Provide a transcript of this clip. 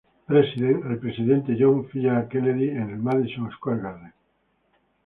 President"" al presidente John F. Kennedy en el Madison Square Garden.